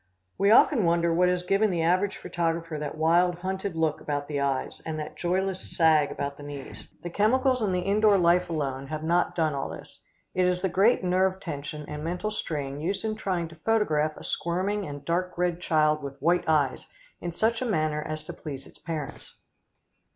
We often wonder what has given the average photographer that wild, hunted look about the eyes and that joyless sag about the knees. The chemicals and the indoor life alone have not done all this. It is the great nerve tension and mental strain used in trying to photograph a squirming and dark red child with white eyes, in such a manner as to please its parents.